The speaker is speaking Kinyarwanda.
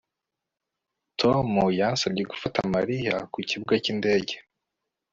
Tom yansabye gufata Mariya ku kibuga cyindege